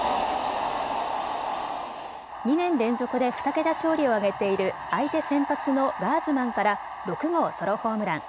２年連続で２桁勝利を挙げている相手先発のガーズマンから６号ソロホームラン。